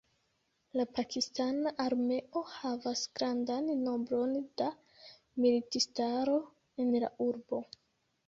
La pakistana armeo havas grandan nombron da militistaro en la urbo.